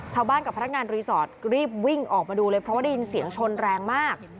ชาวบ้านกับพนักงานรีสอร์ทรีบวิ่งออกมาดูเลยเพราะว่าได้ยินเสียงชนแรงมาก